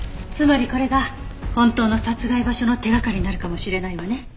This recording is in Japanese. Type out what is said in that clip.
つまりこれが本当の殺害場所の手掛かりになるかもしれないわね。